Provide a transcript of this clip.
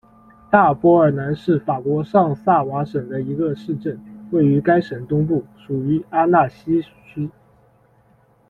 大波尔南是法国上萨瓦省的一个市镇，位于该省东部，属于阿讷西区。